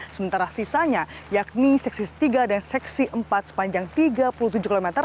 sementara sisanya yakni seksi tiga dan seksi empat sepanjang tiga puluh tujuh km